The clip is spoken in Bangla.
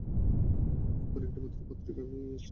এক্ষণে একটি মাত্র পত্রিকা মি স্টার্ডি চালাবেন।